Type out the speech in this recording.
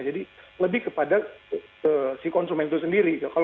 jadi lebih kepada si konsumen itu sendiri